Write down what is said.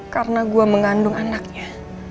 karena aku mengandung anaknya